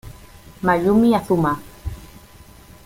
Mayumi Azuma